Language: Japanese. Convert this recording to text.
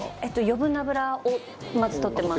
余分な油を、まず、とってます。